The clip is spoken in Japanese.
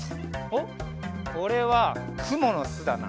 おっこれはくものすだな。